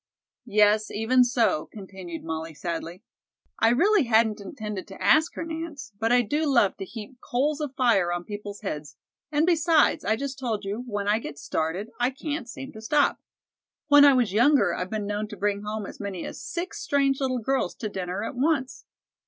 "Yes, even so," continued Molly sadly. "I really hadn't intended to ask her, Nance, but I do love to heap coals of fire on people's heads, and besides, I just told you, when I get started, I can't seem to stop. When I was younger, I've been known to bring home as many as six strange little girls to dinner at once."